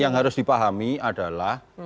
yang harus dipahami adalah